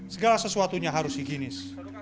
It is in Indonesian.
segala sesuatunya harus higienis